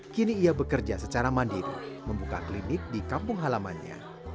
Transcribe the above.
kini ia bekerja secara mandiri membuka klinik di kampung halamannya